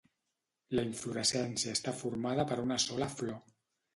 La inflorescència està formada per una sola flor.